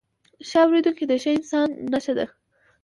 ښه اورېدونکی، د ښه انسان نښه ده.